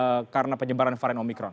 dan karena penyebaran varian omikron